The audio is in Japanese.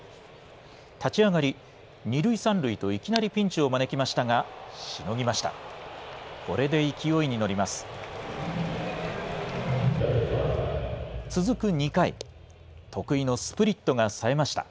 立ち上がり、２塁３塁といきなりピンチを招きましたが、しのぎました。